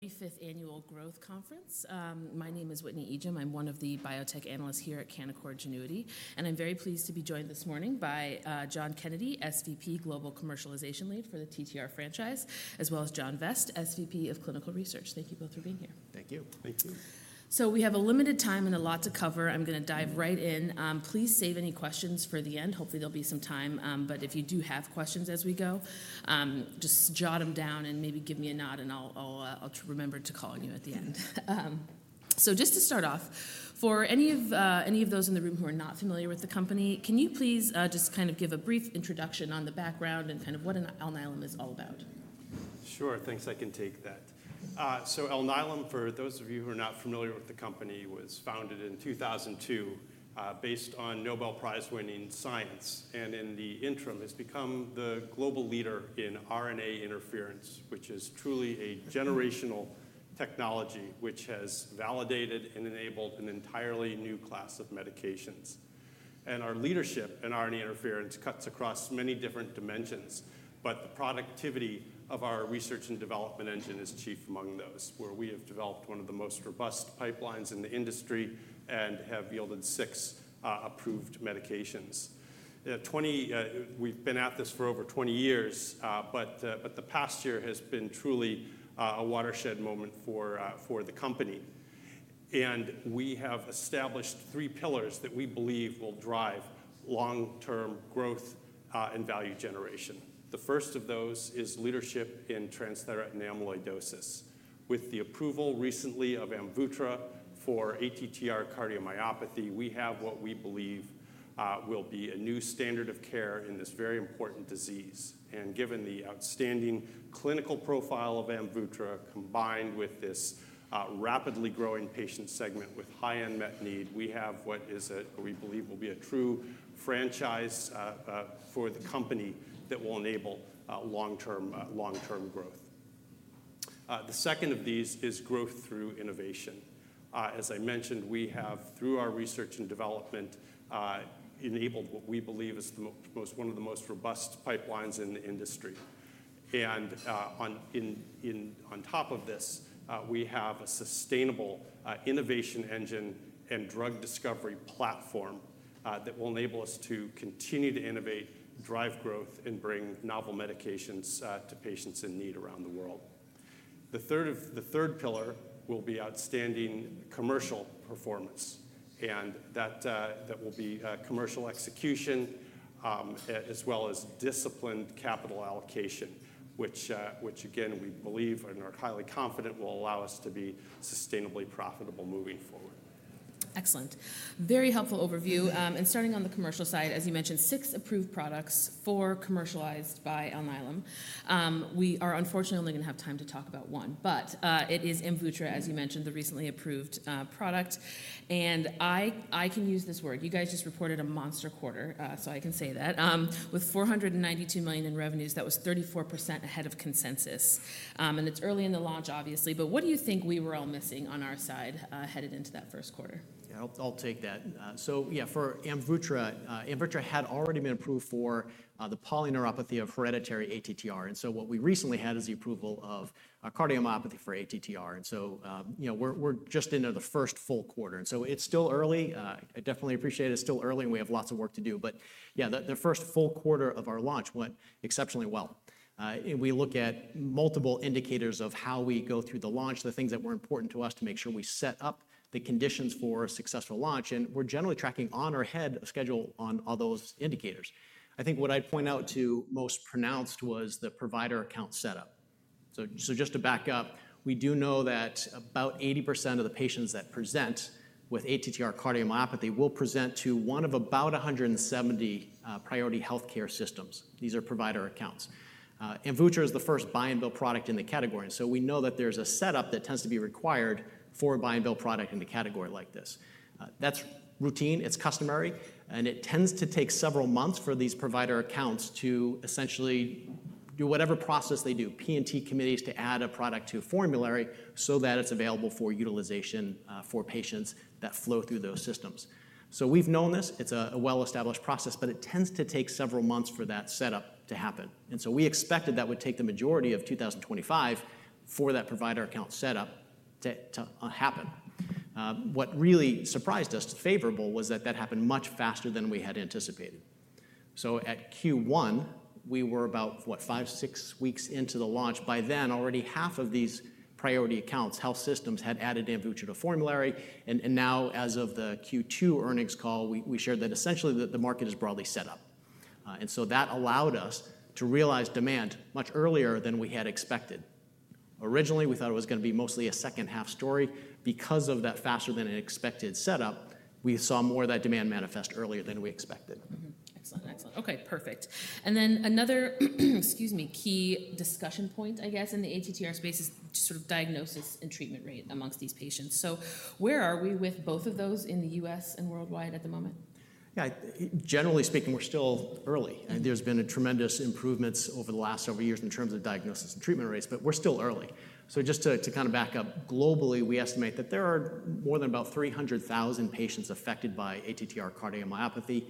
The Fifth Annual Growth Conference. My name is Whitney Ijem. I'm one of the biotech analysts here at Canaccord Genuity. I'm very pleased to be joined this morning by John Kennedy, Senior Vice President, Global Commercialization Lead for the TTR franchise, as well as John Vest, Senior Vice President of Clinical Research. Thank you both for being here. Thank you. Thank you. We have a limited time and a lot to cover. I'm going to dive right in. Please save any questions for the end. Hopefully, there'll be some time. If you do have questions as we go, just jot them down and maybe give me a nod. I'll remember to call you at the end. Just to start off, for any of those in the room who are not familiar with the company, can you please just kind of give a brief introduction on the background and what Alnylam is all about? Sure. Thanks. I can take that. Alnylam, for those of you who are not familiar with the company, was founded in 2002, based on Nobel Prize-winning science. In the interim, it has become the global leader in RNA interference, which is truly a generational technology that has validated and enabled an entirely new class of medications. Our leadership in RNA interference cuts across many different dimensions, but the productivity of our research and development engine is chief among those, where we have developed one of the most robust pipelines in the industry and have yielded six approved medications. We've been at this for over 20 years. The past year has been truly a watershed moment for the company. We have established three pillars that we believe will drive long-term growth and value generation. The first of those is leadership in transthyretin amyloidosis. With the approval recently of AMVUTTRA for ATTR cardiomyopathy, we have what we believe will be a new standard of care in this very important disease. Given the outstanding clinical profile of AMVUTTRA, combined with this rapidly growing patient segment with high unmet need, we have what we believe will be a true franchise for the company that will enable long-term growth. The second of these is growth through innovation. As I mentioned, we have, through our research and development, enabled what we believe is one of the most robust pipelines in the industry. On top of this, we have a sustainable innovation engine and drug discovery platform that will enable us to continue to innovate, drive growth, and bring novel medications to patients in need around the world. The third pillar will be outstanding commercial performance. That will be commercial execution, as well as disciplined capital allocation, which, again, we believe and are highly confident will allow us to be sustainably profitable moving forward. Excellent. Very helpful overview. Starting on the commercial side, as you mentioned, six approved products, four commercialized by Alnylam. We are, unfortunately, only going to have time to talk about one. It is AMVUTTRA, as you mentioned, the recently approved product. I can use this word. You guys just reported a monster quarter. I can say that. With $492 million in revenues, that was 34% ahead of consensus. It's early in the launch, obviously. What do you think we were all missing on our side headed into that first quarter? Yeah, I'll take that. For AMVUTTRA, AMVUTTRA had already been approved for the polyneuropathy of hereditary ATTR. What we recently had is the approval of cardiomyopathy for ATTR. We're just into the first full quarter. It's still early. I definitely appreciate it. It's still early, and we have lots of work to do. The first full quarter of our launch went exceptionally well. We look at multiple indicators of how we go through the launch, the things that were important to us to make sure we set up the conditions for a successful launch. We're generally tracking on or ahead of schedule on all those indicators. I think what I'd point out as most pronounced was the provider account setup. Just to back up, we do know that about 80% of the patients that present with ATTR cardiomyopathy will present to one of about 170 priority health care systems. These are provider accounts. AMVUTTRA is the first buy-and-bill product in the category. We know that there's a setup that tends to be required for a buy-and-bill product in the category like this. That's routine. It's customary, and it tends to take several months for these provider accounts to essentially do whatever process they do, P&T committees to add a product to a formulary so that it's available for utilization for patients that flow through those systems. We've known this. It's a well-established process, but it tends to take several months for that setup to happen. We expected that would take the majority of 2025 for that provider account setup to happen. What really surprised us, favorably, was that that happened much faster than we had anticipated. At Q1, we were about, what, five, six weeks into the launch. By then, already half of these priority accounts, health systems, had added AMVUTTRA to the formulary. As of the Q2 earnings call, we shared that essentially the market is broadly set up. That allowed us to realize demand much earlier than we had expected. Originally, we thought it was going to be mostly a second-half story. Because of that faster-than-expected setup, we saw more of that demand manifest earlier than we expected. Excellent. Excellent. OK, perfect. Another key discussion point, I guess, in the ATTR space is sort of diagnosis and treatment rate amongst these patients. Where are we with both of those in the U.S. and worldwide at the moment? Yeah, generally speaking, we're still early. There's been tremendous improvements over the last several years in terms of diagnosis and treatment rates. We're still early. Just to kind of back up, globally, we estimate that there are more than about 300,000 patients affected by ATTR cardiomyopathy.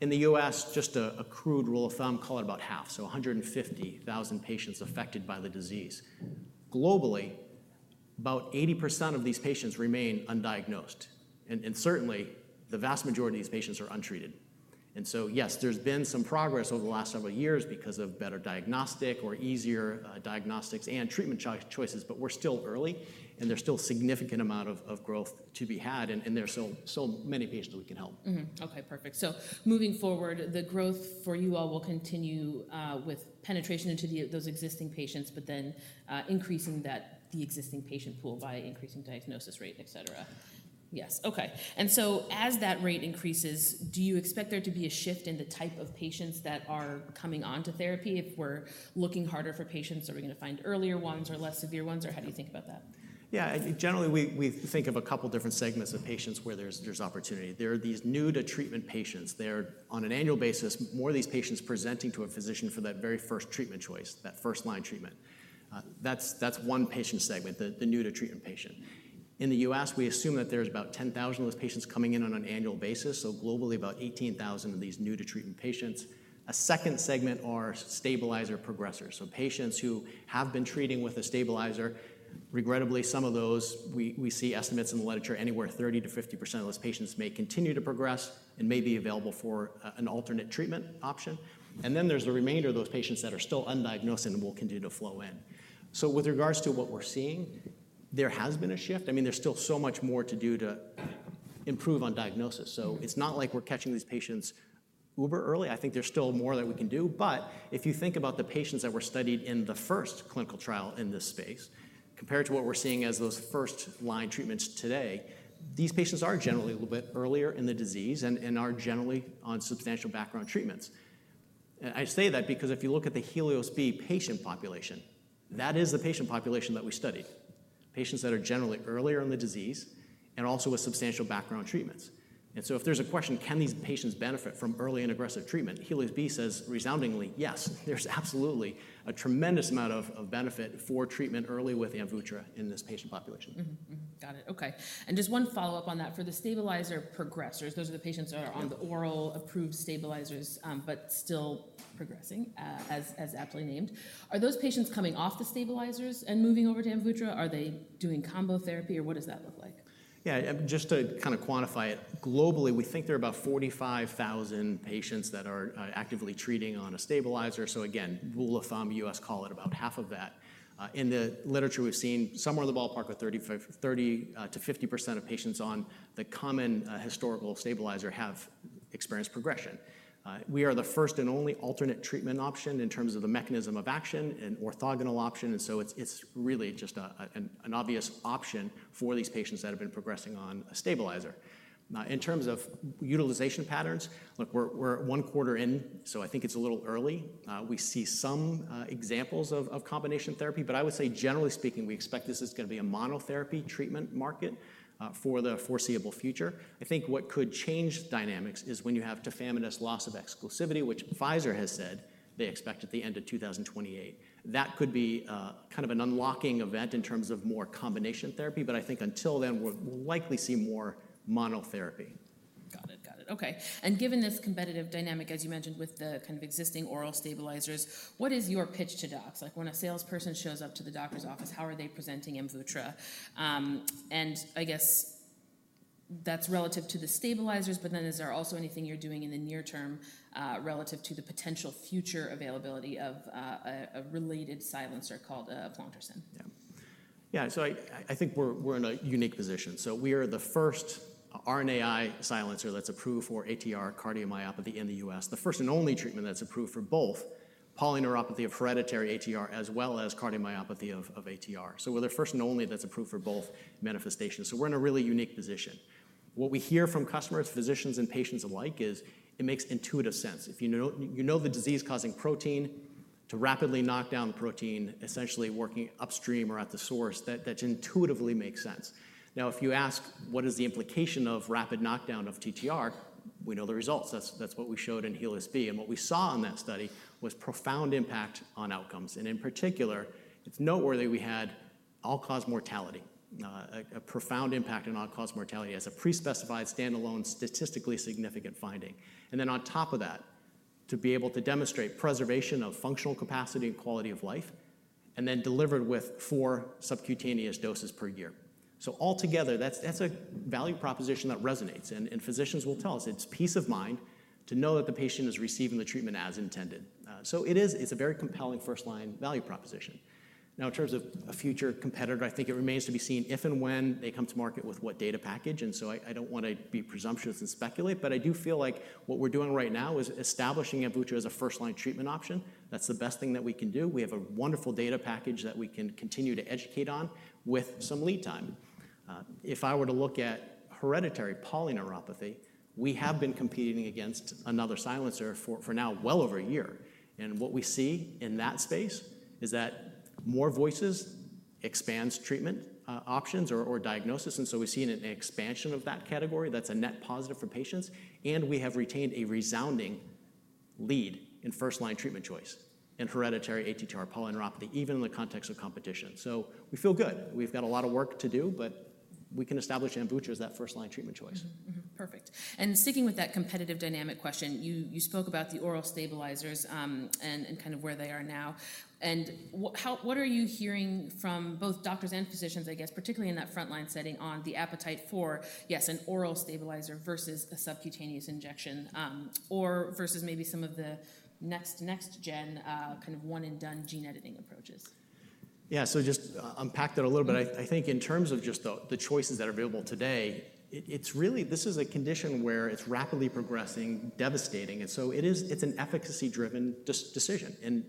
In the U.S., just a crude rule of thumb, call it about half, so 150,000 patients affected by the disease. Globally, about 80% of these patients remain undiagnosed. Certainly, the vast majority of these patients are untreated. Yes, there's been some progress over the last several years because of better diagnostic or easier diagnostics and treatment choices. We're still early. There's still a significant amount of growth to be had. There are so many patients that we can help. OK, perfect. Moving forward, the growth for you all will continue with penetration into those existing patients, but then increasing the existing patient pool by increasing diagnosis rate, etc. Yes, OK. As that rate increases, do you expect there to be a shift in the type of patients that are coming on to therapy? If we're looking harder for patients, are we going to find earlier ones or less severe ones? How do you think about that? Yeah, generally, we think of a couple of different segments of patients where there's opportunity. There are these new-to-treatment patients. They're, on an annual basis, more of these patients presenting to a physician for that very first treatment choice, that first-line treatment. That's one patient segment, the new-to-treatment patient. In the U.S., we assume that there's about 10,000 of those patients coming in on an annual basis. Globally, about 18,000 of these new-to-treatment patients. A second segment are stabilizer progressors, so patients who have been treating with a stabilizer. Regrettably, some of those, we see estimates in the literature anywhere 30%-50% of those patients may continue to progress and may be available for an alternate treatment option. Then there's the remainder of those patients that are still undiagnosed and will continue to flow in. With regards to what we're seeing, there has been a shift. I mean, there's still so much more to do to improve on diagnosis. It's not like we're catching these patients uber-early. I think there's still more that we can do. If you think about the patients that were studied in the first clinical trial in this space, compared to what we're seeing as those first-line treatments today, these patients are generally a little bit earlier in the disease and are generally on substantial background treatments. I say that because if you look at the HELIOS-B patient population, that is the patient population that we studied, patients that are generally earlier in the disease and also with substantial background treatments. If there's a question, can these patients benefit from early and aggressive treatment? HELIOS-B says resoundingly, yes. There's absolutely a tremendous amount of benefit for treatment early with AMVUTTRA in this patient population. Got it. OK. Just one follow-up on that. For the stabilizer progressors, those are the patients that are on the oral approved stabilizers but still progressing, as aptly named. Are those patients coming off the stabilizers and moving over to AMVUTTRA? Are they doing combination therapy? What does that look like? Just to kind of quantify it, globally, we think there are about 45,000 patients that are actively treating on a stabilizer. Again, rule of thumb, U.S., call it about half of that. In the literature, we've seen somewhere in the ballpark of 30%-50% of patients on the common historical stabilizer have experienced progression. We are the first and only alternate treatment option in terms of the mechanism of action and orthogonal option. It's really just an obvious option for these patients that have been progressing on a stabilizer. In terms of utilization patterns, look, we're one quarter in. I think it's a little early. We see some examples of combination therapy, but I would say, generally speaking, we expect this is going to be a monotherapy treatment market for the foreseeable future. I think what could change dynamics is when you have a tremendous loss of exclusivity, which Pfizer has said they expect at the end of 2028. That could be kind of an unlocking event in terms of more combination therapy. I think until then, we'll likely see more monotherapy. Got it. OK. Given this competitive dynamic, as you mentioned, with the kind of existing oral stabilizers, what is your pitch to docs? Like when a salesperson shows up to the doctor's office, how are they presenting AMVUTTRA? I guess that's relative to the stabilizers. Is there also anything you're doing in the near term relative to the potential future availability of a related silencer called vutrisiran? Yeah, I think we're in a unique position. We are the first RNAi silencer that's approved for ATTR cardiomyopathy in the U.S., the first and only treatment that's approved for both polyneuropathy of hereditary ATTR as well as cardiomyopathy of ATTR. We're the first and only that's approved for both manifestations. We're in a really unique position. What we hear from customers, physicians, and patients alike is it makes intuitive sense. If you know the disease-causing protein, to rapidly knock down the protein, essentially working upstream or at the source, that intuitively makes sense. Now, if you ask, what is the implication of rapid knockdown of TTR? We know the results. That's what we showed in HELIOS-B. What we saw in that study was a profound impact on outcomes. In particular, it's noteworthy we had all-cause mortality, a profound impact on all-cause mortality as a pre-specified standalone statistically significant finding. On top of that, to be able to demonstrate preservation of functional capacity and quality of life, and then delivered with four subcutaneous doses per year. Altogether, that's a value proposition that resonates. Physicians will tell us it's peace of mind to know that the patient is receiving the treatment as intended. It is a very compelling first-line value proposition. In terms of a future competitor, I think it remains to be seen if and when they come to market with what data package. I don't want to be presumptuous and speculate. I do feel like what we're doing right now is establishing AMVUTTRA as a first-line treatment option. That's the best thing that we can do. We have a wonderful data package that we can continue to educate on with some lead time. If I were to look at hereditary polyneuropathy, we have been competing against another silencer for now well over a year. What we see in that space is that more voices expand treatment options or diagnosis. We've seen an expansion of that category. That's a net positive for patients. We have retained a resounding lead in first-line treatment choice in hereditary ATTR polyneuropathy, even in the context of competition. We feel good. We've got a lot of work to do, but we can establish AMVUTTRA as that first-line treatment choice. Perfect. Sticking with that competitive dynamic question, you spoke about the oral stabilizers and kind of where they are now. What are you hearing from both doctors and physicians, I guess, particularly in that front-line setting, on the appetite for, yes, an oral stabilizer versus a subcutaneous injection or versus maybe some of the next-next-gen kind of one-and-done gene editing approaches? Yeah, so just unpack that a little bit. I think in terms of just the choices that are available today, it's really, this is a condition where it's rapidly progressing, devastating. It's an efficacy-driven decision.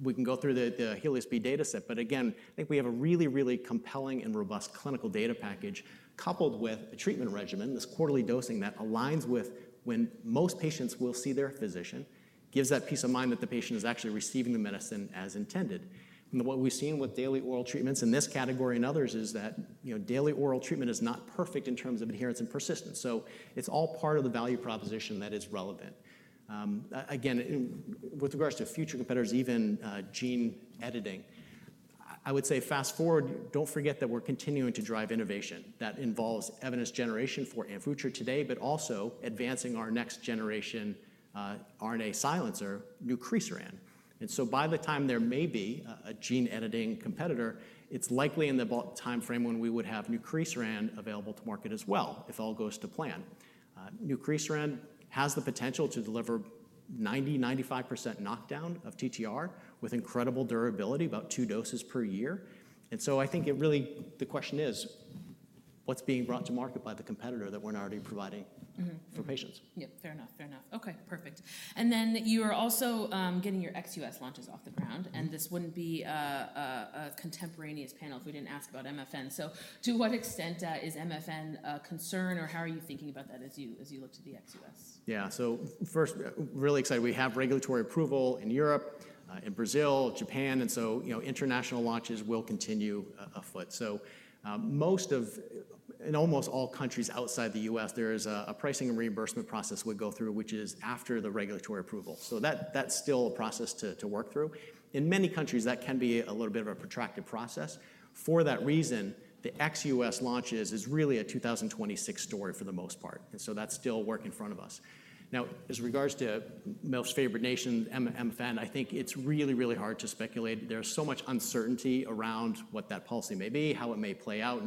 We can go through the HELIOS-B data set. I think we have a really, really compelling and robust clinical data package coupled with a treatment regimen, this quarterly dosing that aligns with when most patients will see their physician, gives that peace of mind that the patient is actually receiving the medicine as intended. What we've seen with daily oral treatments in this category and others is that daily oral treatment is not perfect in terms of adherence and persistence. It's all part of the value proposition that is relevant. With regards to future competitors, even gene editing, I would say fast forward, don't forget that we're continuing to drive innovation that involves evidence generation for AMVUTTRA today, but also advancing our next-generation RNAi silencer, vutrisiran. By the time there may be a gene editing competitor, it's likely in the time frame when we would have vutrisiran available to market as well, if all goes to plan. Vutrisiran has the potential to deliver 90%, 95% knockdown of TTR with incredible durability, about two doses per year. I think it really, the question is, what's being brought to market by the competitor that we're not already providing for patients? Yeah, fair enough. OK, perfect. You are also getting your ex-U.S. launches off the ground. This wouldn't be a contemporaneous panel if we didn't ask about MFN. To what extent is MFN a concern? How are you thinking about that as you look to the ex-U.S.? Yeah, so first, really excited. We have regulatory approval in Europe, in Brazil, Japan, and so international launches will continue afoot. In almost all countries outside the U.S., there is a pricing and reimbursement process we go through, which is after the regulatory approval. That's still a process to work through. In many countries, that can be a little bit of a protracted process. For that reason, the ex-U.S. launches is really a 2026 story for the most part, and that's still work in front of us. Now, as regards to Most Favored Nation, MFN, I think it's really, really hard to speculate. There's so much uncertainty around what that policy may be, how it may play out.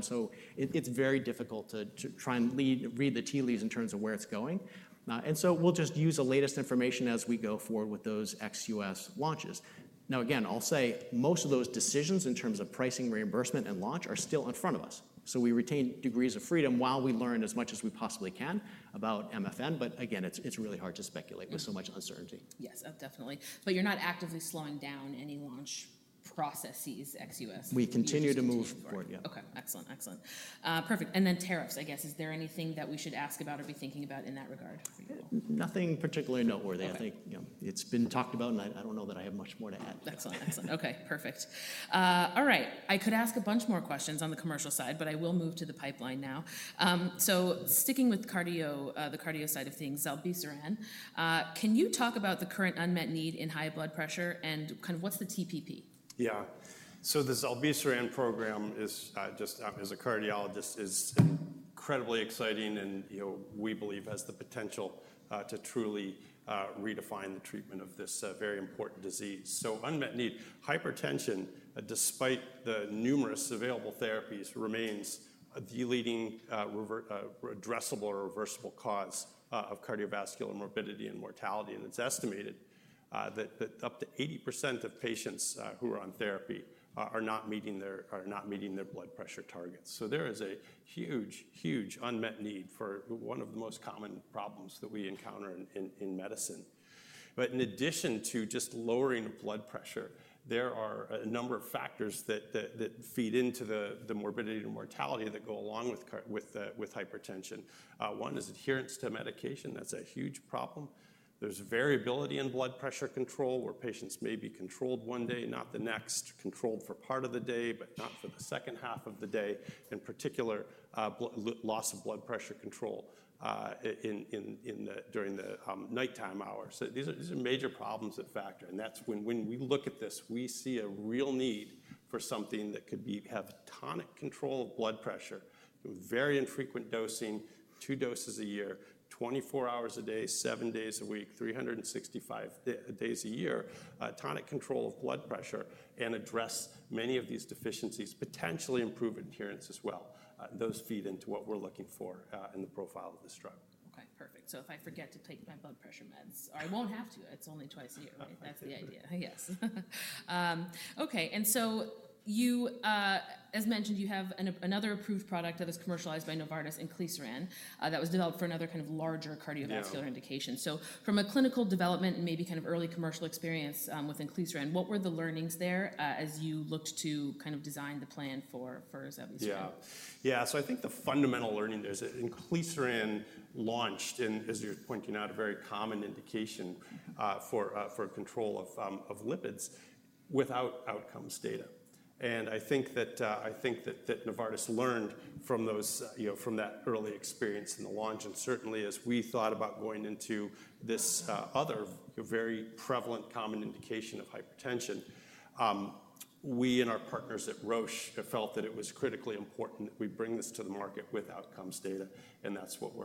It's very difficult to try and read the tea leaves in terms of where it's going. We'll just use the latest information as we go forward with those ex-U.S. launches. Again, I'll say most of those decisions in terms of pricing, reimbursement, and launch are still in front of us. We retain degrees of freedom while we learn as much as we possibly can about MFN. Again, it's really hard to speculate with so much uncertainty. Yes, definitely. You're not actively slowing down any launch processes, ex-U.S.? We continue to move forward. OK, excellent. Perfect. Tariffs, I guess. Is there anything that we should ask about or be thinking about in that regard? Nothing particularly noteworthy. I think it's been talked about. I don't know that I have much more to add. Excellent. Excellent. OK, perfect. All right. I could ask a bunch more questions on the commercial side. I will move to the pipeline now. Sticking with the cardio side of things, zilebesiran, can you talk about the current unmet need in high blood pressure? What's the TPP? Yeah, so the zilebesiran program is just, as a cardiologist, incredibly exciting and we believe has the potential to truly redefine the treatment of this very important disease. Unmet need, hypertension, despite the numerous available therapies, remains the leading addressable or reversible cause of cardiovascular morbidity and mortality. It's estimated that up to 80% of patients who are on therapy are not meeting their blood pressure targets. There is a huge, huge unmet need for one of the most common problems that we encounter in medicine. In addition to just lowering blood pressure, there are a number of factors that feed into the morbidity and mortality that go along with hypertension. One is adherence to medication. That's a huge problem. There's variability in blood pressure control, where patients may be controlled one day, not the next, controlled for part of the day, but not for the second half of the day. In particular, loss of blood pressure control during the nighttime hours. These are major problems that factor. When we look at this, we see a real need for something that could have tonic control of blood pressure, very infrequent dosing, two doses a year, 24 hours a day, seven days a week, 365 days a year, tonic control of blood pressure, and address many of these deficiencies, potentially improve adherence as well. Those feed into what we're looking for in the profile of this drug. OK, perfect. If I forget to take my blood pressure meds, or I won't have to. It's only twice a year. That's the idea. Yes. You, as mentioned, have another approved product that is commercialized by Novartis, inclisiran, that was developed for another kind of larger cardiovascular indication. From a clinical development and maybe kind of early commercial experience with inclisiran, what were the learnings there as you looked to kind of design the plan for zilebesiran? Yeah, yeah, so I think the fundamental learning is inclisiran launched, and as you're pointing out, a very common indication for control of lipids without outcomes data. I think that Novartis learned from that early experience in the launch. Certainly, as we thought about going into this other very prevalent common indication of hypertension, we and our partners at Roche felt that it was critically important that we bring this to the market with outcomes data. That's what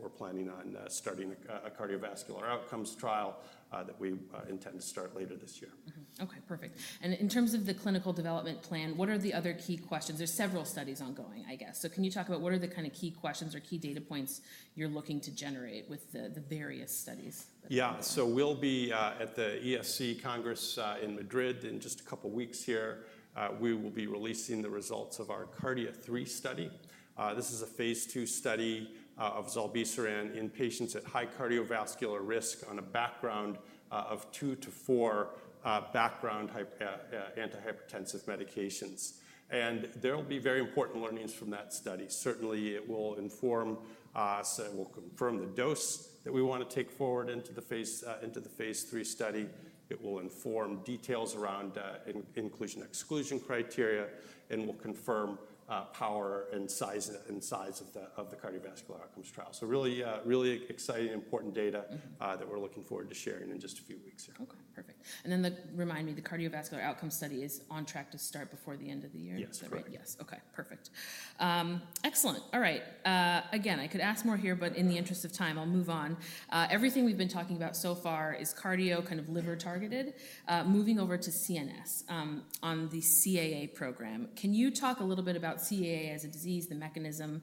we're planning on, starting a cardiovascular outcomes trial that we intend to start later this year. OK, perfect. In terms of the clinical development plan, what are the other key questions? There are several studies ongoing, I guess. Can you talk about what are the kind of key questions or key data points you're looking to generate with the various studies? Yeah, we'll be at the ESC Congress in Madrid in just a couple of weeks here. We will be releasing the results of our KARDIA-3 study. This is a phase II study of zilebesiran in patients at high cardiovascular risk on a background of two to four background antihypertensive medications. There will be very important learnings from that study. It will inform us. It will confirm the dose that we want to take forward into the phase III study. It will inform details around inclusion/exclusion criteria, and we'll confirm power and size of the cardiovascular outcomes trial. Really, really exciting, important data that we're looking forward to sharing in just a few weeks here. OK, perfect. Remind me, the cardiovascular outcomes study is on track to start before the end of the year. Is that right? Yes. Yes, OK, perfect. Excellent. All right. I could ask more here, but in the interest of time, I'll move on. Everything we've been talking about so far is cardio, kind of liver-targeted. Moving over to CNS on the CAA program, can you talk a little bit about CAA as a disease, the mechanism,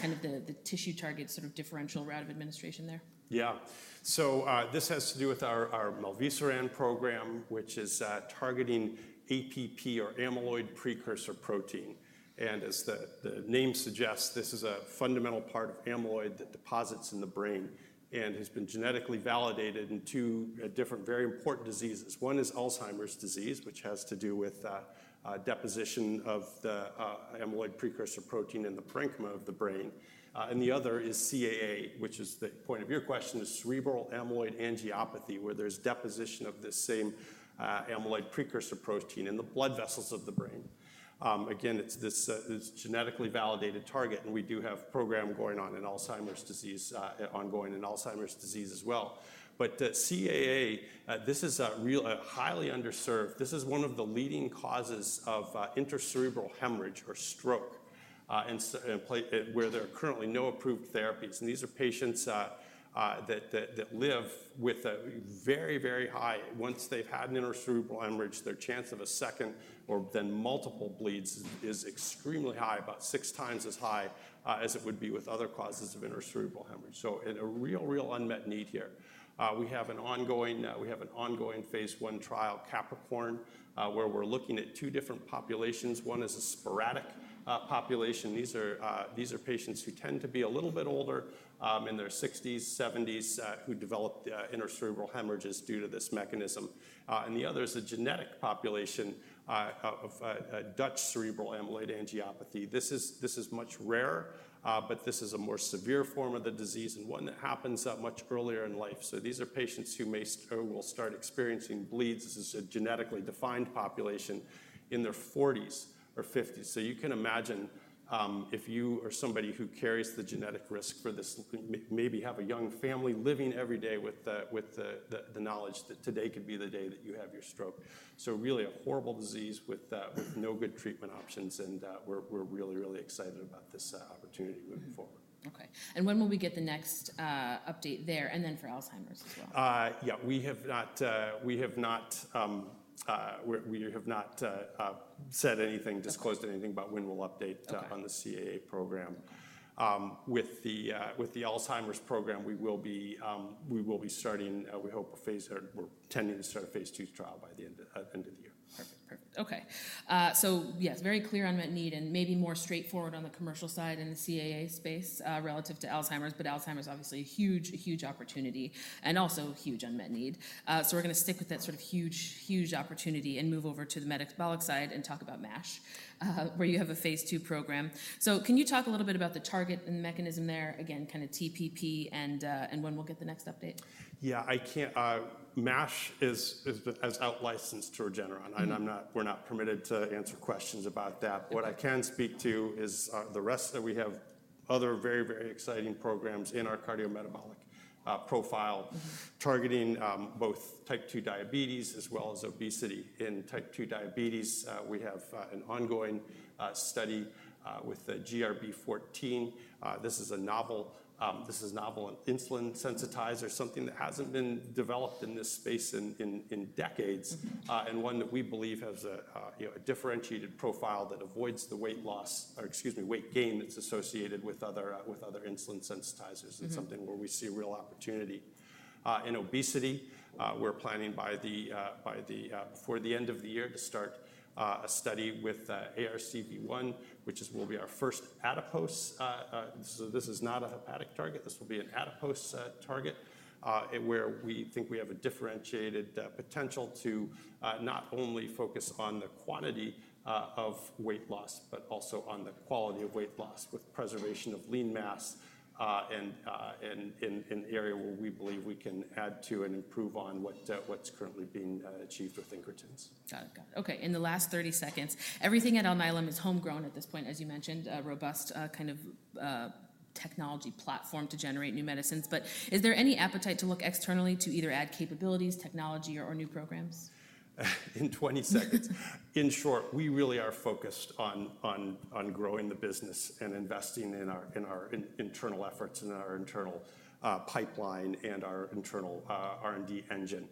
kind of the tissue target, sort of differential route of administration there? Yeah, so this has to do with our mivelsiran program, which is targeting APP, or amyloid precursor protein. As the name suggests, this is a fundamental part of amyloid that deposits in the brain and has been genetically validated in two different very important diseases. One is Alzheimer's disease, which has to do with deposition of the amyloid precursor protein in the parenchyma of the brain. The other is CAA, which is the point of your question, is cerebral amyloid angiopathy, where there's deposition of the same amyloid precursor protein in the blood vessels of the brain. Again, it's this genetically validated target. We do have a program going on in Alzheimer's disease as well. CAA is a highly underserved area. This is one of the leading causes of intracerebral hemorrhage or stroke where there are currently no approved therapies. These are patients that live with a very, very high—once they've had an intracerebral hemorrhage, their chance of a second or then multiple bleeds is extremely high, about six times as high as it would be with other causes of intracerebral hemorrhage. A real, real unmet need here. We have an ongoing phase I trial, CAPRICORN, where we're looking at two different populations. One is a sporadic population. These are patients who tend to be a little bit older, in their 60s, 70s, who developed intracerebral hemorrhages due to this mechanism. The other is a genetic population of Dutch cerebral amyloid angiopathy. This is much rarer. This is a more severe form of the disease and one that happens much earlier in life. These are patients who may start experiencing bleeds. This is a genetically defined population in their 40s or 50s. You can imagine if you are somebody who carries the genetic risk for this, maybe have a young family living every day with the knowledge that today could be the day that you have your stroke. Really a horrible disease with no good treatment options. We're really, really excited about this opportunity moving forward. OK. When will we get the next update there? For Alzheimer's as well? Yeah, we have not said anything, disclosed anything about when we'll update on the CAA program. With the Alzheimer's program, we will be starting, we hope, a phase or we're intending to start a phase II trial by the end of the year. Perfect. OK. Yes, very clear unmet need and maybe more straightforward on the commercial side in the CAA space relative to Alzheimer's. Alzheimer's is obviously a huge, huge opportunity and also a huge unmet need. We're going to stick with that sort of huge, huge opportunity and move over to the medical side and talk about MASH, where you have a phase II program. Can you talk a little bit about the target and the mechanism there? Again, kind of TPP and when we'll get the next update? Yeah, I can't. MASH is out-licensed to Regeneron, and we're not permitted to answer questions about that. What I can speak to is the rest of—we have other very, very exciting programs in our cardiometabolic profile targeting both type 2 diabetes as well as obesity. In type 2 diabetes, we have an ongoing study with the GRB14. This is a novel insulin sensitizer, something that hasn't been developed in this space in decades, and one that we believe has a differentiated profile that avoids the weight gain that's associated with other insulin sensitizers. It's something where we see real opportunity. In obesity, we're planning for the end of the year to start a study with ARCV1, which will be our first adipose. This is not a hepatic target. This will be an adipose target, where we think we have a differentiated potential to not only focus on the quantity of weight loss, but also on the quality of weight loss with preservation of lean mass and in an area where we believe we can add to and improve on what's currently being achieved with incretins. Got it. OK. In the last 30 seconds, everything at Alnylam is homegrown at this point, as you mentioned, a robust kind of technology platform to generate new medicines. Is there any appetite to look externally to either add capabilities, technology, or new programs? In short, we really are focused on growing the business and investing in our internal efforts and in our internal pipeline and our internal R&D engine.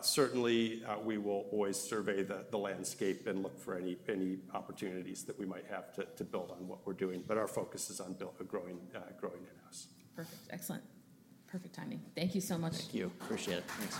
Certainly, we will always survey the landscape and look for any opportunities that we might have to build on what we're doing. Our focus is on growing in-house. Perfect. Excellent. Perfect timing. Thank you so much. Thank you. Appreciate it. Thanks.